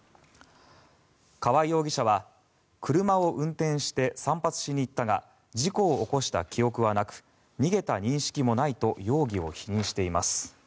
川合容疑者は車を運転して散髪しに行ったが事故を起こした記憶はなく逃げた認識もないと容疑を否認しています。